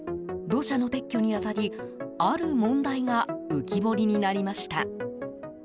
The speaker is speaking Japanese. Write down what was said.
土砂の撤去に当たり、ある問題が浮き彫りになりました。